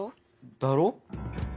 だろ？